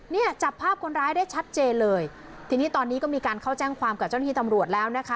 เนี่ยจับภาพคนร้ายได้ชัดเจนเลยทีนี้ตอนนี้ก็มีการเข้าแจ้งความกับเจ้าหน้าที่ตำรวจแล้วนะคะ